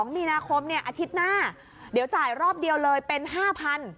๒มีนาคมอาทิตย์หน้าเดี๋ยวจ่ายรอบเดียวเลยเป็น๕๐๐